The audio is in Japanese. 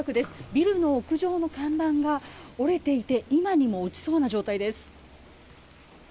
ビルの屋上の看板が、折れていて、今にも落ちそうな状態です。